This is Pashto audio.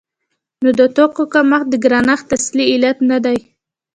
نو د توکو کمښت د ګرانښت اصلي علت نه دی.